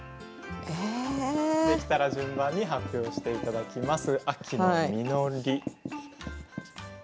できたら順番に発表していただきます。